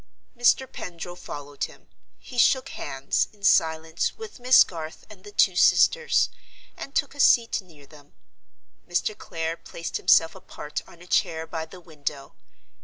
Mr. Pendril followed him. He shook hands, in silence, with Miss Garth and the two sisters, and took a seat near them. Mr. Clare placed himself apart on a chair by the window.